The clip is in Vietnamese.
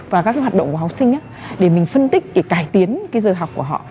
và các cái hoạt động của học sinh để mình phân tích để cải tiến cái giờ học của họ